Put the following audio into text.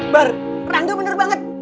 bar rangga bener banget